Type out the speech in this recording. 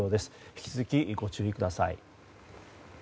引き続きご注意ください。